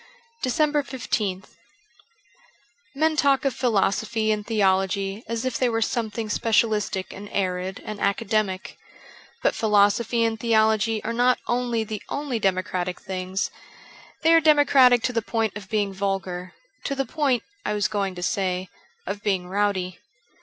387 DECEMBER 15th MEN talk of philosophy and theology as if they were something specialistic and arid and academic. But philosophy and theology are not only the only democratic things, they are democratic to the point of being vulgar, to the point, I was going to say, of being rowdy.